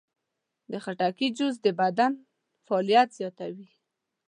د خټکي جوس د بدن فعالیت زیاتوي.